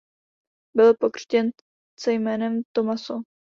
Byl pokřtěn se jménem Tommaso.